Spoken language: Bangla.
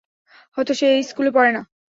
হয়তো সে এই স্কুলে পড়ে না।